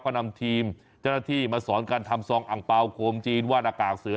ก็นำทีมเจ้าหน้าที่มาสอนการทำซองอังเปล่าโคมจีนว่าหน้ากากเสือ